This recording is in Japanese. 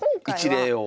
一例を。